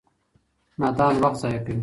نادان وخت ضايع کوي